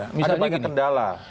ada banyak kendala